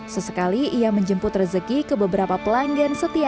sesekali ia menjemput rezeki ke beberapa pelanggan setia